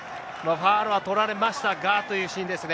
ファウルは取られましたがというシーンですね。